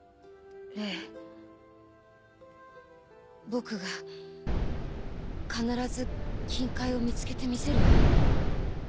僕が必ず金塊を見つけてみせるよ。